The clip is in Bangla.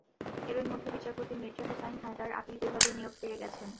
এরই মধ্যে বিচারপতি মির্জা হোসেইন হায়দার আপিল বিভাগে নিয়োগ পেয়ে গেছেন।